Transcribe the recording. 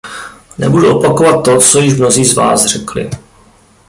Nebudu opakovat to, co již mnozí z vás řekli.